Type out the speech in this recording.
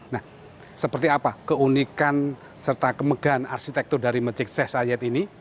nah seperti apa keunikan serta kemegahan arsitektur dari mejid seh sayed ini